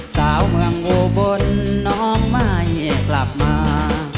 เศร้าเมืองอุบลน้องไม่ให้กลับมา